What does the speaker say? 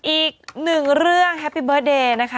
อีกหนึ่งเรื่องแฮปปี้เบิร์ตเดย์นะคะ